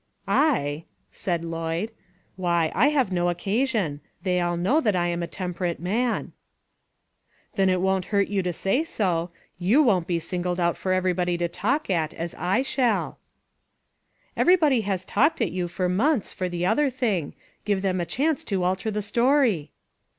" I," said Lloyd, " why, I have no occasion. They all know that I am a temperate man." 4l6 ONE COMMONPLACE DAY. " Then it won't hurt you to say so. You won't be singled out for everybody to talk at as I shall." " Everybody has talked at you for months, for the other thing. Give them a chance to alter the story."